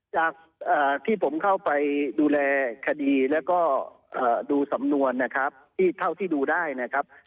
จากที่ผมเข้าไปดูแลคดีแล้วก็ดูสำนวนนะครับที่เท่าที่ดูได้นะครับ